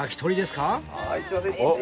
すいません。